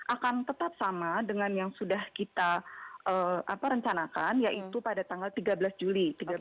akan tetap sama dengan yang sudah kita rencanakan yaitu pada tanggal tiga belas juli dua ribu dua puluh